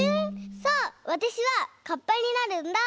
そうわたしはかっぱになるんだ。